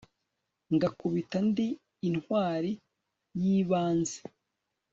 ngakubita ndi intwari yibanze